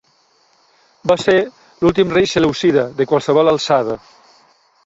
Va ser l'últim rei selèucida de qualsevol alçada.